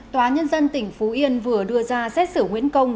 tòa nhân dân tỉnh phú yên vừa đưa ra xét xử nguyễn công